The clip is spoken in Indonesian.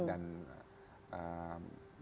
dan beberapa hal